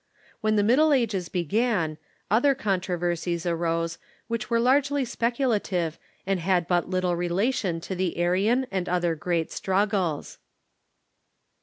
When the Middle Ages began, other controversies arose, which were largely specula tive, and had but little relation to the Arian and other great struggles.